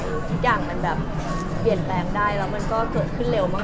คือทุกอย่างมันแบบเปลี่ยนแปลงได้แล้วมันก็เกิดขึ้นเร็วมาก